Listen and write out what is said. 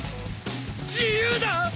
自由だ！